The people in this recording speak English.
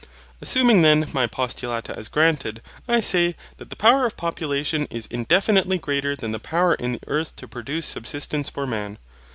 Assuming then my postulata as granted, I say, that the power of population is indefinitely greater than the power in the earth to produce subsistence for man.